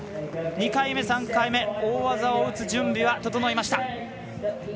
２回目、３回目大技を打つ準備は整いました。